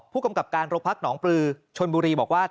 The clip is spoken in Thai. ผู้กำกับการโรงพักหนองปลือชนบุรีบอกว่า